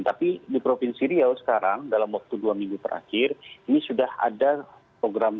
tapi di provinsi riau sekarang dalam waktu dua minggu terakhir ini sudah ada program